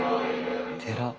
寺。